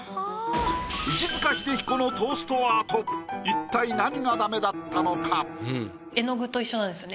石塚英彦のトーストアート一体何がダメだったのか？